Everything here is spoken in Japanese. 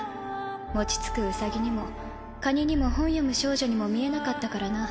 餅つくウサギにもカニにも本読む少女にも見えなかったからな。